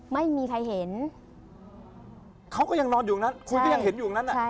ไม่มีใครเห็นเขาก็ยังนอนอยู่ตรงนั้นคุยก็ยังเห็นอยู่ตรงนั้น